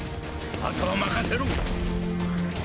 あとは任せろ！